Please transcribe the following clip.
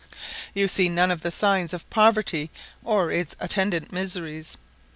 You see none of the signs of poverty or its attendant miseries.